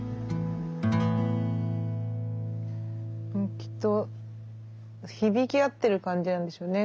きっと響き合ってる感じなんでしょうね。